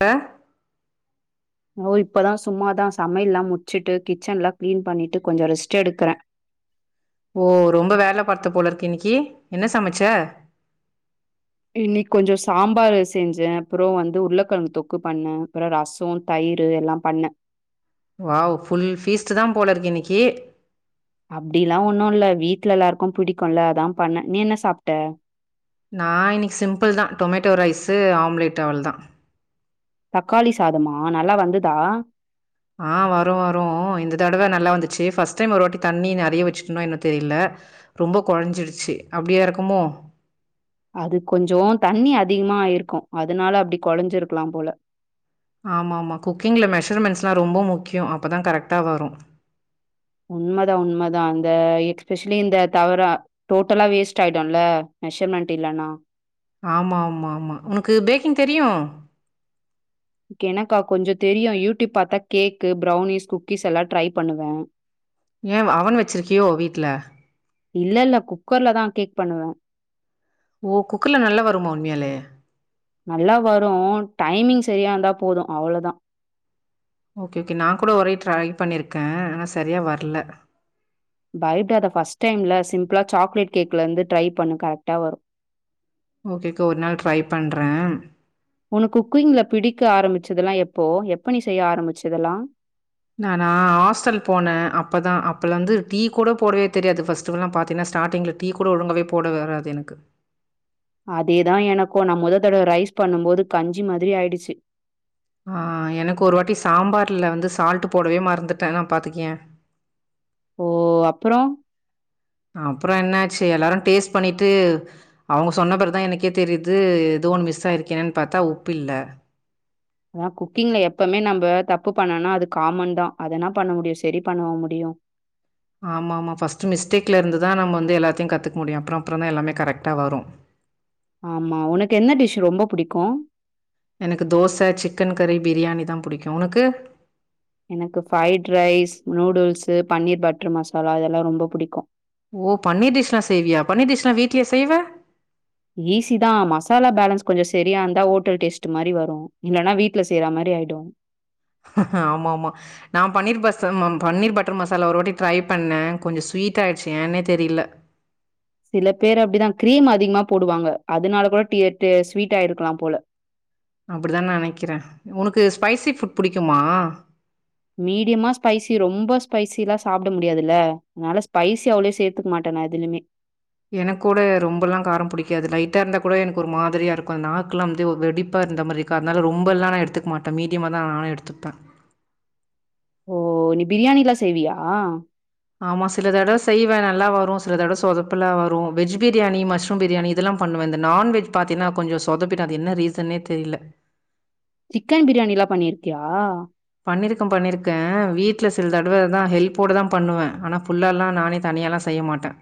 ப ஹோய் இப்பதா சும்மாதா சமையல்லா முட்ச்சிட்டு கிச்சன்லா க்ளீன் பண்ணிட்டு கொஞ்சோ ரெஸ்ட் எடுக்குறே ஓ ரொம்ப வேல பாத்த போல இருக்கு இன்னைக்கு என்ன சமைச்ச இன்னைக் கொஞ்சோ சாம்பாரு செஞ்சே அப்றோ வந்து உருளகெழங்கு தொக்கு பண்ணே அப்றோ ரசோ தயிரு எல்லா பண்ணே வாவ் ஃபுல் ஃபீஸ்ட்டு தா போல இருக்கு இன்னைக்கு அப்படிலா ஒன்னு இல்ல வீடல எல்லாருக்கு பிடிக்குல்ல அதா பண்ணே நீ என்ன சாப்ட்டே நா இன்னைக்கு சிம்பிள் தா டொமேட்டோ ரைஸு ஆம்லேட் அவ்ளோ தா தக்காளி சாதமா நல்லா வந்து‌தா ஆ வரு வரு இந்த தடவ நல்லா வந்துச்சு ஃபர்ஸ்ட் டைம் ஒரு வாட்டி தண்ணி நெறயா வச்சுட்டன்னோ என்ன தெரில ரொம்ப குழஞ்சிடுச்சு அப்டியா இருக்குமோ அது கொஞ்சோ தண்ணி அதிகமாயிருக்கு அதனால அப்டி கொழஞ்சிருக்லா போல ஆமாமா குக்கிங்ல மெஷர்மெண்ட்ஸ்லா ரொம்ப முக்கியோ அப்பதா கரெக்டா வரு உண்மதா உண்மதா இந்த எக்ஸ்பெஷலி இந்த தவ்றா டோட்டலா வேஸ்ட் ஆயிடுல மெஷர்மென்ட் இல்லனா ஆமாமா ஆமா உனக்கு பேக்கிங் தெரியு எனக்கா கொஞ்சோ தெரியு யூடியூப் பாத்தா கேக்கு ப்ரௌனிஸ் குக்கீஸ் எல்லா ட்ரை பண்ணுவே ஏ வ அவன் வச்ருக்கியோ வீட்ல இல்ல இல்ல குக்கர்ல தா கேக் பண்ணுவே ஓ குக்குர்ல நல்லா வருமா உண்மியாலே நல்லா வரு டைமிங் சரியா இருந்தா போது அவ்ளோதா ஓகே ஓகே நா கூட ஒரே ட்ரை பண்ணிருக்கே ஆனா சரியா வர்ல பைப்டாத ஃபர்ஸ்ட் டைம்ல சிம்பிளா சாக்லேட் கேக்லந்து ட்ரை பண்ணு கரெக்டா வரு ஓகேக்கோ ஒர் நாள் ட்ரை பண்றே உனுக் குக்கிங்ல பிடிக்க ஆரம்பிச்சுதுலா எப்போ எப்ப நீ செய்ய ஆரம்பிச்சுதுலா நானா ஹாஸ்டல் போனே அப்பதா அப்பலந்து டீ கூட போட்வே தெரியாது ஃபர்ஸ்ட்டுல்லா பாத்தினா ஸ்டாடிங்ல டீ கூட ஒழுங்காவே போட வராது எனக்கு அதேதா எனக்கு நா மொத தடவ ரைஸ் பண்ணும்போது கஞ்சி மாதிரி ஆயிடுச்சு ஆ எனக்கு ஒரு வாட்டி சாம்பார்ல வந்து சால்ட் போடவே மறந்துட்டெனா பாத்துக்கயே ஓ அப்புறோ அப்றோ என்ன ஆச்சு எல்லாரு டேஸ் பண்ணிட்டு அவங்க சொன்ன பரு தா எனக்கே தெரிது எதோ ஒன் மிஸ்ஸாய் இருக்கேன் பாத்தா உப்பு இல்ல ஆ குக்கிங்ல எப்பமே நம்ப தப்பு பண்ணோனா அது காமன் தா அதெனா பண்ண முடியு செரி பண்ணவா முடியு ஆமாமா ஃபஸ்ட்டு மிஸ்டேக்ல இருந்து தா நம்ம வந்து எல்லாத்தயு கத்துக் முடியு அப்ற அப்றந்தா எல்லாமே கரெக்டா வரு ஆமா உனக் என்ன டிஷ் ரொம்ப புடிக்கு எனக்கு தோச சிக்கன் கறி பிரியாணி தா புடிக்கு உனக்கு எனக்கு fried rice noodles paneer butter masala இதெல்லா ரொம்ப பிடிக்கு ஓ பன்னிர் டிஷ்லா செய்வியா பன்னிர் டிஷ்லா வீட்லயா செய்வ ஈஸி தா மசாலா பேலன்ஸ் கொஞ்ச சரியா இருந்தா ஓட்டல் டேஸ்ட் மாரி வரு இல்லனா வீட்ல செய்ற மாரி ஆய்டு ஆமாமா நா பன்னீர் பஸ் அ பன்னீர் பட்டர் மசாலா ஒருவாட்டி ட்ரை பண்ணே கொஞ்ச ஸ்வீட்டாய்சி ஏன்னே தெரில சில பேர் அப்டிதா க்ரீம் அதிகமா போடுவாங்க அதனால கூட டே டே ஸ்வீட் ஆய்ருக்கலா போல அப்டி தா நெனைக்கிறே உனக்கு ஸ்பைசி ஃபுட் புடிக்குமா மீடியமா ஸ்பைசி ரொம்ப ஸ்பைசிலா சாப்ட முடியாதுல அதனால ஸ்பைசி அவ்ளோ சேத்துக் மாட்ட நா எதுலியுமே எனக் கூட ரொம்பலா காரோ புடிக்காது லைட்டா இருந்தா கூட எனக் ஒரு மாதிரியா இருக்கு நாக்குலா வந்து ஒர் வெடிப்பா இருந்த மாரி க இருந்தாலு ரொம்பலா நா எடுத்துக் மாட்ட மீடிமாதா நா எடுத்துப்பே ஓ நீ பிரியாணிலா செய்வியா ஆமா சில தடவ செய்வே நல்லா வரு சில தடவ சொதப்பலா வரு வெஜ் பிரியாணி மஷ்ரூம் பிரியாணி இதுலா பண்வே இந்த நான்வெஜ் பாத்தீனா கொஞ்சோ சொதப்பிட அது என்ன ரீசன்னே தெரில சிக்கன் பிரியாணிலா பண்ணிர்க்கியா பண்ணிருக்க பண்ணிருக்க வீட்ல சில தடவதா ஹெல்ப்போட தா பண்ணுவே ஆனா ஃபுல்லலா நானே தனியாலா செய்ய மாட்டே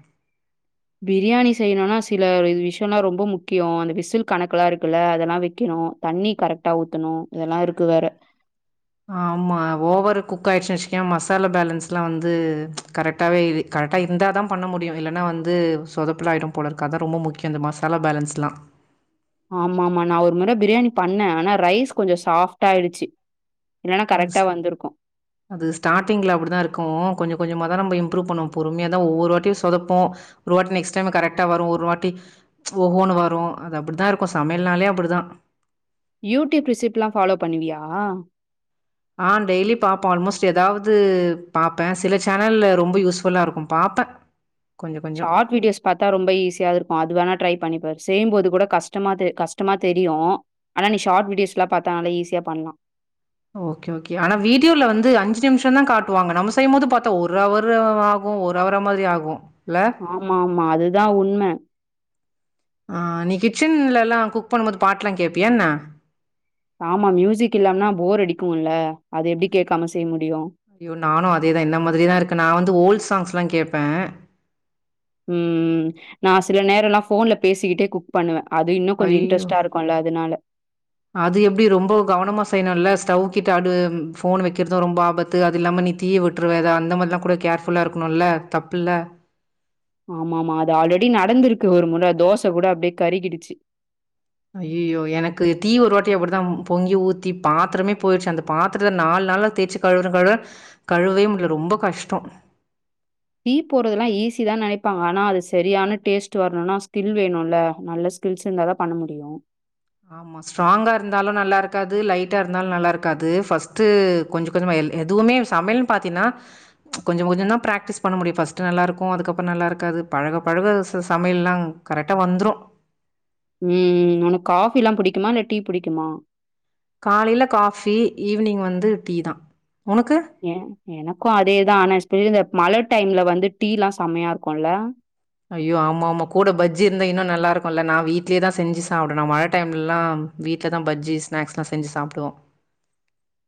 பிரியாணி செய்ணுனா சில வி விஷ்யொலா ரொம்ப முக்கியோ அந்த விசில் கணக்லா இருக்குல்ல அதெலா வெக்கணு தண்ணி கரெக்டா ஊத்தணு இதெல்லா இருக்கு வேற ஆமா ஓவர் குக் ஆய்ருச்சுனு வச்சுக்கேயே மசாலா பேலன்ஸ்லா வந்து கரெக்டாவே இரு கரட்டா இர்ந்தாத பண்ண முடியு இல்லனா வந்து சொதப்ல ஆய்டு போல அதா ரொம்ப முக்யோ இந்த மாசாலா பேலன்ஸ்லா ஆமா ஆமா நா ஒர் முற பிரியாணி பண்ணே ஆனா ரைஸ் கொஞ்ச சாஃப்ட்டாய்டுச்சி இல்லனா அது கரெக்டா வந்துர்க்கு அது ஸ்டார்டிங்ல அப்படிதா இருக்கு கொஞ்ச கொஞ்சமாதா நம்ம இம்ரூவ் பண்ணூ பொறுமையாத ஒவ்வொரு வாட்டியு சொதப்பு ஒரு வாட்டி நெக்ஸ்ட் டைம் கரெக்டா வரு ஒரு வாட்டி ஒவ்வொன்னு வரு அது அப்படிதா இருக்கு சமையல்னாலே அப்டிதா யூடியூப் ரெசிப்ல்லா ஃபாலோ பண்ணுவியா ஆ டெய்லி பாப்பே ஆல்மோஸ்ட் ஏதாவ்து பாப்பே சில சேனல்ல ரொம்ப யூஸ்ஃபுல்லா இருக்கு பாப்பே சார்ட் வீடியோஸ் பாத்தா ரொம்ப ஈஸியா இருக்கு அது வேணா ட்ரை பண்ணிப்பாரு செய்யும்போது கூட கஷ்டமா தெ கஷ்டமா தெரியு ஆனா நீ ஷாட் வீடியோஸ்ல்லா பாத்தனால ஈஸியா பன்லா ஓகே ஓகே ஆனா வீடியோல வந்து அஞ்சு நிம்ஷோதா காட்டுவாங்க நம்ம செய்யும்போது பத்தா ஒரு அவரு ஆவு ஒரு அவர மாதிரி ஆகு இல்ல ஆமா ஆமா அதுதா உண்ம ஆ நீ கிச்சன்லல்லா குக் பண்ணும்போது பாட்லா கேப்பியா என்ன ஆமா மியூசிக் இல்லாம்னா போர் அடிக்குல்ல அது எப்டி கேக்காம செய்யமுடியு ஐயோ நானு அதேதா என்ன மாதிரிதா இருக்க நா வந்து ஓல்ட் சாங்ஸ்ல்லா கேப்பே ம் நா சில நேரல்லா போன்ல பேசிகிட்டே குக் பண்ணுவ அது இன்னும் கொஞ்சோ ஐயோ! இன்ட்ரஸ்ட்ட இருக்குல்ல அதுனால அது எப்டி ரொம்ப கவனமா செய்ணுல்ல ஸ்டவ் கிட்ட அடு ஃபோன் வக்கிறது ரொம்ப ஆபத் த்து அது இல்லாம நீ தீய விட்டுருவ அத அந்த மாதிரிலா கூட கேர்ஃபுல்லா இருக்கணு தப்புல்ல ஆமா ஆமா அது ஆல்ரெடி நடந்திருக்கு ஒரு முற தோச கூட அப்டியே கறிகிடிச்சு அய்யய்யோ எனக்கு டீ ஒரு வாட்டி அப்படித்தா பொங்கி ஊத்தி பாத்ரமே பொயிருச்சு அந்த பாத்திரத்த நால் நாளா தேச்சு கழுவுர கழுவுர கழுவே முடில ரொம்ப கஷ்டோ டீ போட்றதுல்லா ஈஸிதா நெனைப்பாங்க ஆனா அது சரியான டேஸ்ட் வரணுனா ஸ்கில் வேணுல்ல நல்ல ஸ்கில் ஸ்கில்ஸ் இருந்தா தா பண்ண முடியு ஆமா ஸ்ட்ராங்கா இருந்தாலு நல்லா ருக்காது லைட்டா இருந்தாலு நல்லாருக்காது ஃபஸ்ட்டு கொஞ்ச கொஞ்சம்ம எ எதுவுமே சமையல் பாத்தின்னா கொஞ்சம் கொஞ்சம்தா ப்ராக்டிஸ் பண்ண முடியு ஃபஸ்ட்டு நல்லாருக்கு அதுக்கப்றோ நல்லாருக்காது பழக பழக ச சமையல்லா கரெக்ட்டா வந்ரு ம் உனக்கு காபில்லா புடிக்குமா இல்ல டீ புடிக்குமா காலைல காஃபி ஈவினிங் வந்து டீ தா உனக்கு ஏ எனக்கு அதேதா ஆனா ஸ்பெல இந்த மழ டைம்ல வந்து டீல்லா செமையா இருக்கும்ல ஐயோ ஆமா ஆமா கூட பஜ்ஜி இருந்தா இன்னு நல்லா இருக்குல்ல நா வீட்லயேதா செஞ்சு சாப்பிடனு மழ டைம்லல்லா வீட்லதா பஜ்ஜி ஸ்நாக்ஸ்லா செஞ்சு சாப்டுவோ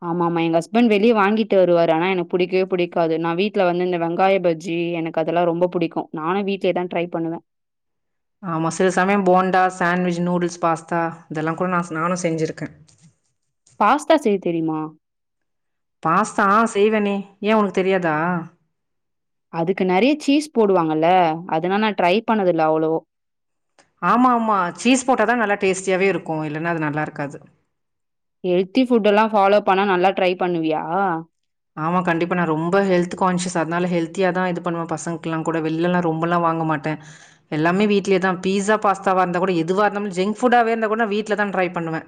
ஆமாமா எங்க ஹஸ்பண்ட் வெளியே வாங்கிட்டு வருவாரு ஆனா எனக் புடிக்கவே புடிக்காது நா வீட்ல வந்து இந்த வெங்காய பஜ்ஜி எனக் கதெல்லா ரொம்ப புடிக்கு நானு வீட்லயேதா ட்ரை பண்ணுவே ஆமா சில சமயோ போண்டா சாண்விச் நூடுல்ஸ் பாஸ்தா இதெல்லா கூட நா நானு செஞ்சிருக்கே பாஸ்தா செய்ய தெரிமா பாஸ்தா செய்வேனே ஏ உனக் தெரியாதா அதுக்கு நிறைய சீஸ் போடுவாங்கல்ல அதனா நா ட்ரை பண்ணதுல அவ்ளவு ஆமா ஆமா சீஸ் போட்டாதா நல்லா டேஸ்ட்டியாவே இருக்கு இல்லனா அது நல்லா இருக்காது ஹெல்தி ஃபுட் எல்லா பாலோ பண்ணா நல்லா ட்ரை பண்ணுவியா ஆமா கண்டிப்பா நா ரொம்ப ஹெல்த் கான்சியஸ் அதனால ஹெல்தியாதா இது பண்ணுவ பசங்கல்லாக் கூட வெள்ளெல்லா ரொம்பல்லா வாங்க மாட்டே எல்லாமே வீட்லயே தா பீஸா பாஸ்தாவா இருந்த கூட எதுவா இருந்தாலு ஜெங் ஃபுட்டாவே இருந்தா கூட வீட்டிலதா ட்ரை பண்ணுவே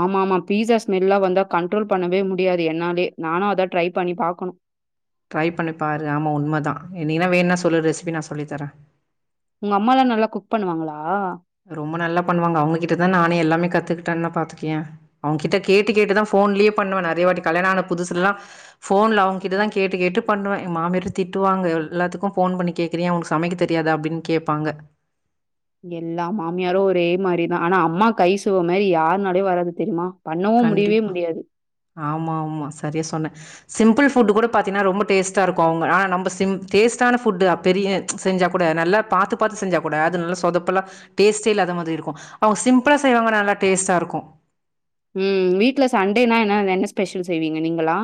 ஆமா ஆமா பீஸா ஸ்மெல்லா வந்தா கண்ட்ரோல் பண்ணவே முடியாது என்னாலிலே நானு அத ட்ரை பண்ணி பாக்கனு ட்ரை பண்ணிப் பாரு ஆமா உண்மதா நீனா வேன்னா சொல்லு ரெஸ்பி நா சொல்லித்தரே உங் அம்மாலா நல்லா குக் பண்ணுவாங்களா ரொம்ப நல்லா பண்ணுவாங்க அவங்ககிட்டதா நானே எல்லாமே கத்துக்கிட்டேனா பாத்துக்கயே அவங் கிட்ட கேட்டு கேட்டுதா போன்லேயே பண்ணுவ நிறையவாட்டி கல்யாண ஆன புதுசுலல்லா போன்ல அவங்க கிட்டதா கேட்டு கேட்டு பண்ணுவே எ மாமியார் திட்டுவாங்க எல்லாத்துக்கு போன் பண்ணி கே க்றியே உனக் சமைக்க தெரியாதா அப்டின் கேப்பாங்க எல்லா மாமியாரு ஒரே மாதிரிதா ஆனா அம்மா கை சுவ மாரி யார் நாலயு வராது தெரியுமா பண்ணவு முடிவே கண்டிப்பா. முடியாது ஆமா ஆமா சரியா சொன்னே சிம்பிள் புட் கூட பாத்தீன்னா ரொம்ப டேஸ்ட இருக்கு அவுங்க ஆனா நம்ப சிம் டேஸ்டான ஃபுட்டு பெரிய செஞ்சா கூடா நல்லா பாத்து பாத்து செஞ்ச கூட அது நல்லா சொதப்பல்லா டேஸ்டே இல்லாத மாதிரி இருக்கு அவங்க சிம்பிளா செய்வாங்க ஆன்னா நல்லா டேஸ்டா இருக்கு ம் வீட்ல சண்டேனா என்ன என்ன ஸ்பெஷல் செய்வீங்க நீங்களா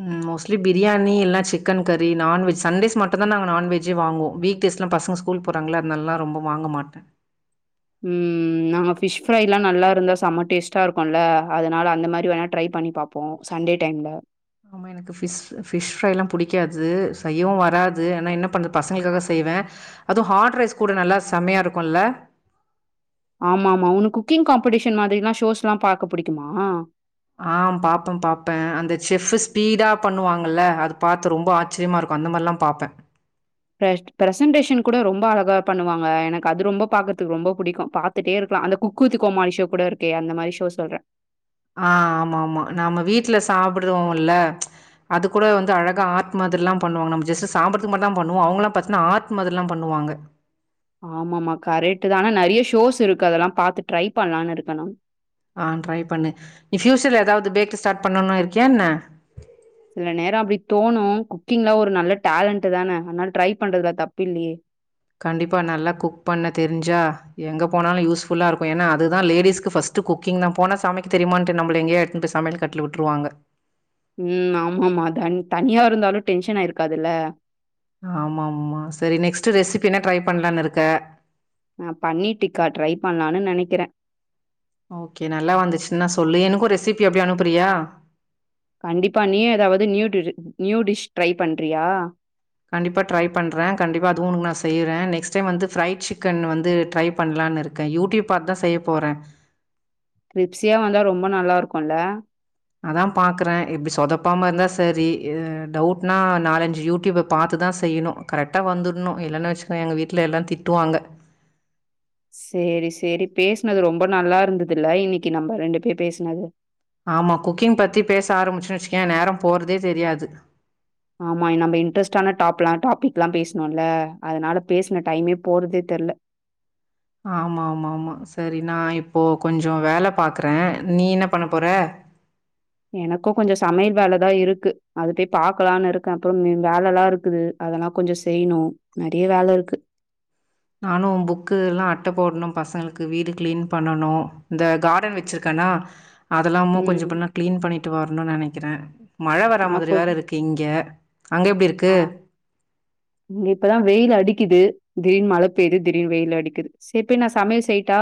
ம் மோஸ்லி பிரியாணி இல்னா சிக்கன் கறி நான்வெஜ் சண்டேஸ் மட்டுதா நாங் நான்வெஜ்ஜே வாங்குவோ வீக் டேஸ்லா பசங்க ஸ் கூல் போறாங்கல அதனல்லலா ரொம்ப வாங்க மாட்டே ம் நாங்க ஃபிஷ் ஃப்ரைல்லா நல்லா இருந்தா செம்ம டேஸ்ட்டா இருக்குல்ல அதனால அந்த மாரி வேணா ட்ரை பண்ணி பாப் போ சண்டே டைம்ல ஆமா என்னக் ஃபிஷ் ஃபிஷ் ஃப்ரைலா புடிக்காது செய்யவு வராது ஆனா என்ன பண்ணு பசங்களுக்காக செய்வே அது ஹாட் ரைஸ் கூட நல்லா செம்மையாக இருக்குல்ல ஆமா ஆமா உனக் குக்கிங் காம்படிஷன் மாதிரில்லா ஷோஸ் எல்லா பாக்க புடிக்குமா ஆ பாப்ப பாப்பே அந்த செஃப் ஸ்பீடா பண்ணுவாங்கல்ல அது பார்த்து ரொம்ப ஆ ச்சிரியமா இருக்கு அந்த மார்லா பாப்பே டர் பிரசன்டேஷன் கூட ரொம்ப அழகா பண்ணுவாங்க எனக் அது ரொம்ப பாக்கற்துக்கு ரொம்ப புடிக்கு த்துட்டே இருக்கலா அந்த குக்குவித் கோமாளி ஷோ கூட இருக்கே அந்த மாரி ஷோ சொல்றே ஆ ஆமா ஆமா நாம வீட்ல சாப்புறோல்ல அது கூட வந்து அழகா ஹாட் மாதிற்ல்லா பண்ணுவாங்க நம்ம ஜஸ்ட் சாம்பறதுக்கு மட்டு தா பண்ணுவோ அவுங்கலா பாத்னா ஹாட் மாதிறில்லா பண்ணுவாங்க ஆமாமா கரெக்ட்டு தா ஆன்னா நெறைய ஷோஸ் இருக்கு அதெல்லா பாத்து ட்ரை பண்ணலான் இருக்க நா ஆஹ் ட்ரை பண்ணு நீ ஃப்யூச்சர்ல ஏதாவது பேக் ஸ்டார்ட் பண்ணணும்னு இருக்கியா என்ன சில நேரோ அப்டி தோணு குக்கிங்ல ஒரு நல்ல டேலண்ட் தானே ஆனால ட்ரை பண்றதுல தப்பில்லையே கண்டிப்பா நல்லா குக் பண்ண தெரிஞ்சா எங்கே போனாலு யூஸ் ஃபுல்லா இருக்கு ஏன்னா அதுதா லேடிஸ்க்கு ஃபஸ்ட் குக்கிங் தா போனா சமைக்க தெரியுமான்ட்டு நம்மள எங்கயா எடுத்துன்னு போய் சமையல் கட்டுல விட்டுருவாங்க உம் ஆமா ஆமா த தனியா இருந்தாலு டென்ஷனாயிருக்காதுல்ல ஆமா ஆமா சரி நெக்ஸ்ட் ரெசிபி என்னா ட்ரை பண்ணலான்னு இருக்க நா பன்னீர் டிக்கா ட்ரை பண்ணலான்னு நினைக்கிறே ஓகே நல்லா வந்துச்சுனா சொல்லு எனக்கு ரெசிபி அப்டியே அனுப்றியா கண்டிப்பா நீயு ஏதாவது நியூ நியூ டிஷ் ட்ரை பண்றியா கண்டிப்பா ட்ரை பண்றே கண்டிப்பா அதுவு உனக்கு நா செய்றே நெக்ஸ்ட் டைம் வந்து ஃப்ரைட் சிக்கன் வந்து ட்ரை பண்ணலான்னு இருக் கே யூடியூப் பாத்து தா செய்ய போறே கிரிப்சியா வந்தா ரொம்ப நல்லா இருக்குல்ல அதா பாக்குறே எப்டி சொதப்பாம இருந்தா சரி டவுட்னா நாலஞ்சு யூடியூப பாத்துதா செய்யணு கரெக்டா வந்துரணு இல்லன்னு வச்சுக்கோயே எங்க வீட்டுல எல்லா திட்டுவாங்க சேரி சேரி பேசுனது ரொம்ப நல்லா இருந்ததுல இன்னைக்கு நம்ம ரெண்டு பேர் பேசுனது ஆமா குக்கிங் பத்தி பேச ஆரம்பிச்சன்னு வச்சுக்கயே நேரோ போறதே தெரியாது ஆமா நம்ப இன்ட்ரெஸ்ட்டான டாப்லா டாபிக்லா பேசுனோல அதனால பேசின டைமே போறதே தெர்ல ஆமா ஆமா ஆமா சரி நா இப்போ கொஞ்சோ வேல பாக்குறே நீ என்ன பண்ண போற எனக்கு கொஞ்சோ சமையல் வேலதா இருக்கு அது போய் பாகக்கலான்னு இருக்கே அப்புறோ வேலல்லா இருக்குது அதெல்லா கொஞ்சோ செய்ணு நிறைய வேல இருக்கு நானு புக்குல்லா அட்டை போடணு பசங்களுக்கு வீடு கிளீன் பண்ணனு இந்த கார்டன் வச்சிரு னா அதெல்லாமு கொஞ்சோ ம். பன்ன கிளீன் பண்ணிட்டு வரனுனு நினைக்கிறே மழ வர நான் மாதிரி வேற இருக்கு இங்க அங்க எப்டி இருக் ஆஹ் இங்க இப்பதா வெயில் அடிக்குது திடீர்னு மழ பெய்யுது திடீர்னு வெயில் அடிக்குது சரிப்போய் நா சமையல் செய்யிட்டா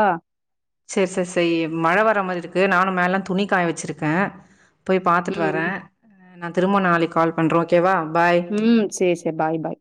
சரி சரி சரி மழ வர்ர மாரி இருக்கு நானு மேலலா துணி காய வச்சிருக்கே போய் பாத்துட்டு வரே ம். நா திரும்பவு நாளைக்கு கால் பண்ணுறே ஓகேவா பாய் ம் சேரி சேரி பாய் பாய்